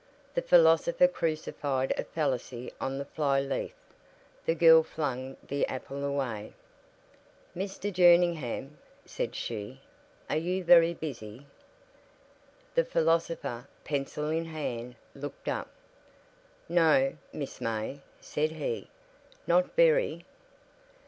The philosopher crucified a fallacy on the fly leaf. The girl flung the apple away. "Mr. Jerningham," said she, "are you very busy?" The philosopher, pencil in hand, looked up. "No, Miss May," said he, "not very."